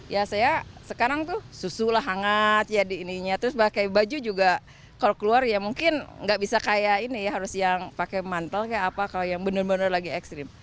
ya saya sekarang tuh susu lah hangat jadi ininya terus pakai baju juga kalau keluar ya mungkin nggak bisa kayak ini ya harus yang pakai mantel kayak apa kalau yang benar benar lagi ekstrim